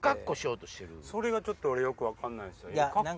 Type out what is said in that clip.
それがちょっと俺よく分かんないっす。